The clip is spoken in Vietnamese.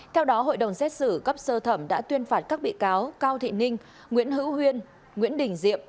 theo đó hội đồng xét xử cấp sơ thẩm đã tuyên phạt các bị cáo cao thị ninh nguyễn hữu huyên nguyễn đình diệm